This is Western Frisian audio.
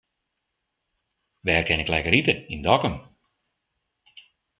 Wêr kin ik lekker ite yn Dokkum?